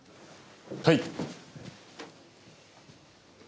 はい。